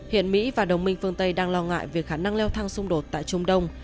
hiện mỹ và đồng minh phương tây đang lo ngại về khả năng leo thang xung đột tại trung đông